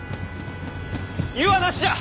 湯はなしじゃ！